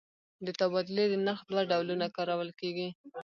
د تبادلې د نرخ دوه ډولونه کارول کېږي.